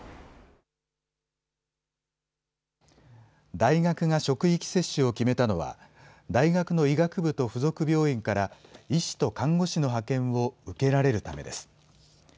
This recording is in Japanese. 大学が職域接種を決めたのは、大学の医学部と付属病院から医師と看護師の派遣を受けられるためです。